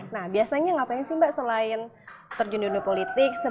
nah biasanya ngapain sih mbak selain terjun dunia politik